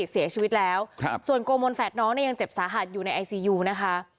เสียชีวิตแล้วครับส่วนโกมนแฝดน้องเนี่ยยังเจ็บสาหัสอยู่ในไอซียูนะคะ